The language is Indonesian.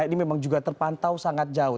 ini memang juga terpantau sangat jauh